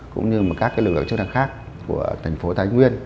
cũng như một các cái lực lượng chức năng khác của thành phố thái nguyên